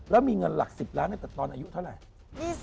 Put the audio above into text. แล้วมีเงินหลัก๑๐ล้านตั้งแต่ตอนอายุเท่าไหร่